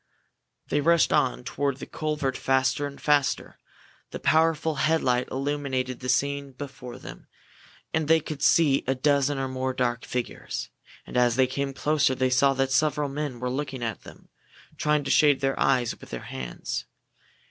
They rushed on toward the culvert faster and faster. The powerful headlight illuminated the scene before them, and they could see a dozen or more dark figures. And as they came closer, they saw that several men were looking at them, trying to shade their eyes with their hands.